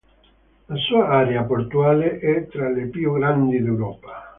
La sua area portuale è tra le più grandi d'Europa.